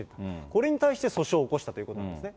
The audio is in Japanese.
これに対して、訴訟を起こしたということなんですね。